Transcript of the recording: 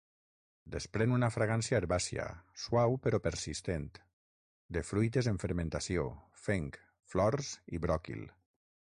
Desprèn una fragància herbàcia, suau però persistent, de fruites en fermentació, fenc, flors i bròquil.